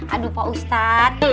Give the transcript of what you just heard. aduh pak ustaz